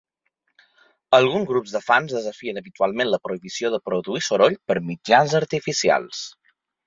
Alguns grups de fans desafien habitualment la prohibició de produir soroll per mitjans artificials.